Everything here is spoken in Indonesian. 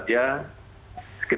kita akan latak itu